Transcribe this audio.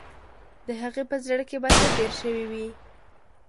د هغې په زړه کې به څه تیر شوي وي.